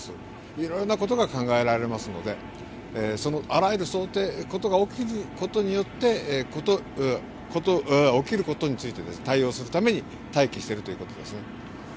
いろいろなことが考えられますのであらゆる起きることについて対応するため待機しているということですね。